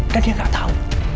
dan dia gak tau